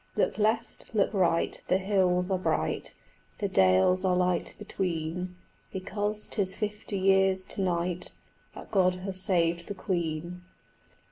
Look left, look right, the hills are bright, The dales are light between, Because 'tis fifty years to night That God has saved the Queen.